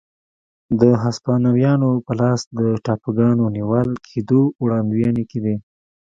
د هسپانویانو په لاس د ټاپوګانو نیول کېدو وړاندوېنې کېدې.